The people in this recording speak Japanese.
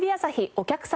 お客様